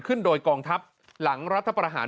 ขึ้นโดยกองทัพหลังรัฐประหาร